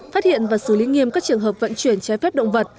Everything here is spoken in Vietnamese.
phát hiện và xử lý nghiêm các trường hợp vận chuyển trái phép động vật